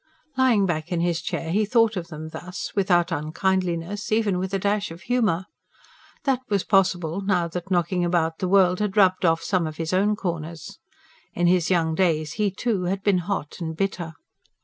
Lying back in his chair he thought of them thus, without unkindliness, even with a dash of humour. That was possible, now that knocking about the world had rubbed off some of his own corners. In his young days, he, too, had been hot and bitter.